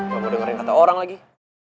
gak mau dengerin kata orang lagi